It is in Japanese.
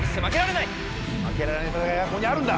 負けられない戦いがここにあるんだ！